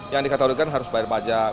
yang dikategorikan harus bayar pajak